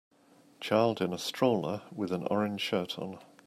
Child in a stroller with an orange shirt on.